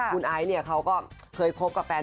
คุณไอซ์เนี่ยเขาก็เคยคบกับแฟน